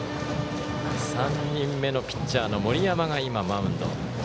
３人目のピッチャーの森山が今、マウンド。